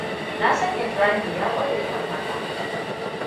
Na san Ibrahim ya kware kan haka.